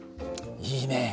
いいね。